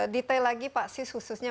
detail lagi pak sis khususnya